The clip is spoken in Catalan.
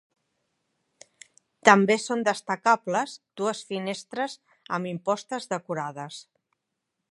També són destacables dues finestres amb impostes decorades.